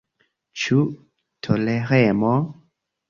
Ĉu toleremo?